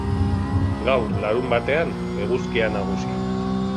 Gaur, larunbatean, eguzkia nagusi.